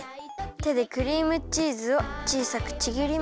てでクリームチーズをちいさくちぎります。